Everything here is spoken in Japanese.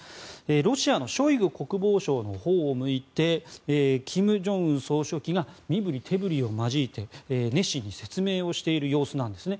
ロシアのショイグ国防相のほうを向いて金正恩総書記が身ぶり手ぶりを交えて熱心に説明をしている様子なんですね。